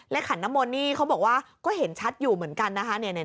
ขันน้ำมนต์นี่เขาบอกว่าก็เห็นชัดอยู่เหมือนกันนะคะ